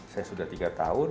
saya sudah tiga tahun